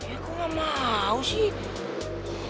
eh kok gak mau sih